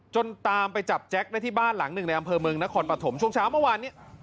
ตามไปจับแจ็คได้ที่บ้านหลังหนึ่งในอำเภอเมืองนครปฐมช่วงเช้าเมื่อวานนี้